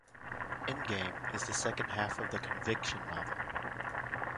"Endgame" is the second "half" of the "Conviction" novel.